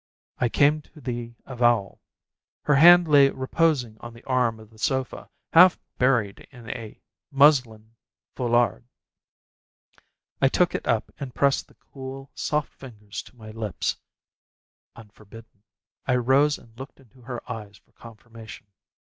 I came to the avowal. Her hand lay reposing on the arm of the sofa, half buried in a muslin foulard. I took it up and pressed the cool soft fingers to my lips unforbidden. I rose and looked into her eyes for confirmation.